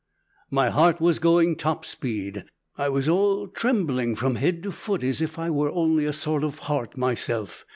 "My heart was going top speed. I was all trembling from head to foot as if I were only a sort of heart myself.